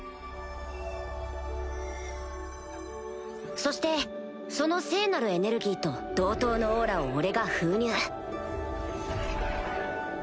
そしてその聖なるエネルギーと同等のオーラを俺が封入